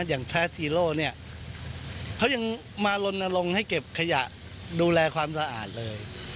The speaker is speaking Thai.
แชทฮีโร่เนี่ยเขายังมาลนลงให้เก็บขยะดูแลความสะอาดเลย